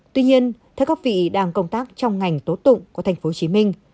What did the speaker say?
tuy nhiên theo các vị đang công tác trong ngành tố tụng của tp hcm